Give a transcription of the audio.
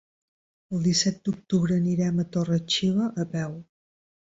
El disset d'octubre anirem a Torre-xiva a peu.